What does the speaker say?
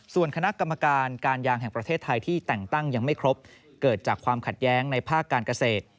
ส่วนคณะกรรมการการยางแห่งประเทศไทยที่แต่งตั้งยังไม่ครบเกิดจากความขัดแย้งในภาคการเกษตร